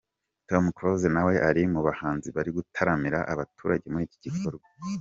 Tom Close nawe ari mu bahanzi bari gutaramira abaturage muri iki gikorwa.